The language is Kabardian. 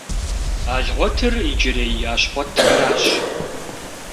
Алгъуэтыр иджырей Ащхъуэтхэращ.